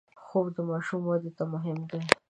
خوب د ماشومانو وده ته مهم دی